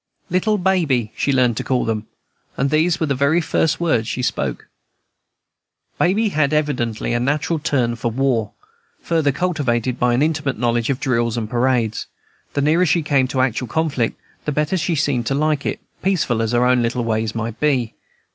"Little baby," she learned to call them; and these were the very first words she spoke. Baby had evidently a natural turn for war, further cultivated by an intimate knowledge of drills and parades. The nearer she came to actual conflict the better she seemed to like it, peaceful as her own little ways might be.